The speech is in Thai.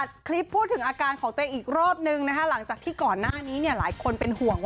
อัดคลิปพูดถึงอาการของเจ้อีกรอบหนึ่งหลังจากที่ก่อนหน้านี้หลายคนเป็นห่วง